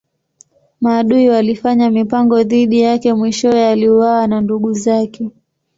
Maadui walifanya mipango dhidi yake mwishowe aliuawa na ndugu zake.